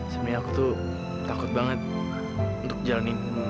sebenernya aku tuh takut banget untuk jalaninmu